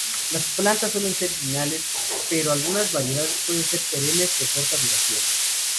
Las plantas suelen ser bienales, pero algunas variedades pueden ser perennes de corta duración.